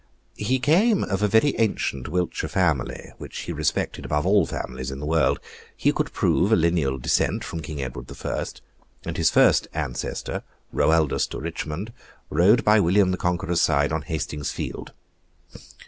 He came of a very ancient Wiltshire family, which he respected above all families in the world: he could prove a lineal descent from King Edward the First, and his first ancestor, Roaldus de Richmond, rode by William the Conqueror's side on Hastings field.